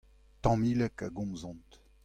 Tamileg a gomzont.